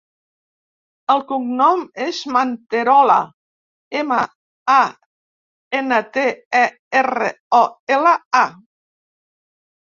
El cognom és Manterola: ema, a, ena, te, e, erra, o, ela, a.